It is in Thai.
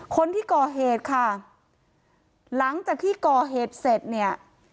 คนที่ก่อเหตุค่ะหลังจากที่ก่อเหตุเสร็จเนี่ย